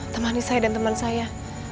temani saya dan teman saya